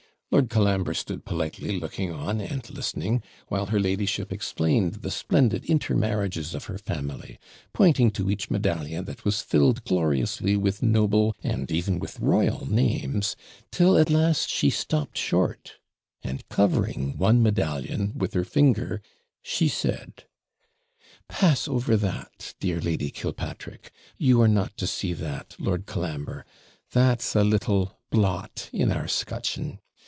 Lord Colambre stood politely looking on and listening, while her ladyship explained the splendid inter marriages of her family, pointing to each medallion that was filled gloriously with noble, and even with royal names, till at last she stopped short, and covering one medallion with her finger, she said 'Pass over that, dear Lady Killpatrick. You are not to see that, Lord Colambre that's a little blot in our scutcheon.